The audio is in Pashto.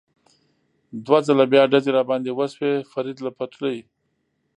دوه ځله بیا ډزې را باندې وشوې، فرید له پټلۍ.